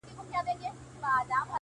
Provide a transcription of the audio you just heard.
زما تصـور كي دي تصـوير ويده دی”